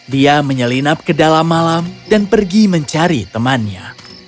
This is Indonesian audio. dia menyelinap ke dalam malam dan pergi mencari temannya